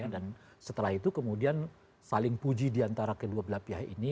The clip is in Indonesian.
dan setelah itu kemudian saling puji di antara kedua belah pihak ini